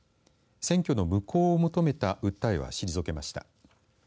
選挙の無効を求めた訴えは退けました。